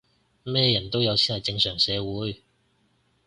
咩人都有先係正常社會